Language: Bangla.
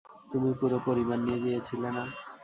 তুমি পুরো পরিবার নিয়ে গিয়েছিলে না?